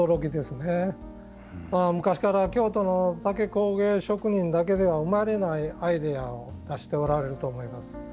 昔から京都の竹工芸職人だけでは生まれないアイデアを出しておられると思います。